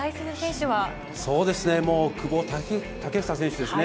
そうですね、もう久保建英選手ですね。